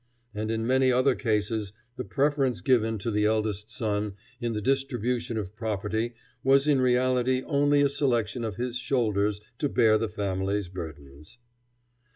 And in many other cases the preference given to the eldest son in the distribution of property was in reality only a selection of his shoulders to bear the family's burdens.